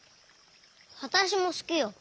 わたしもすきよ。